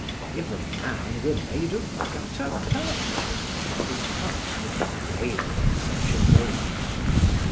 If a man were made of gutta percha, his heart would quail at such a moment.